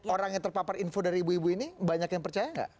orang yang terpapar info dari ibu ibu ini banyak yang percaya nggak